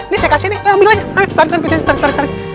ini saya kasih nih ambil aja tarik tarik tarik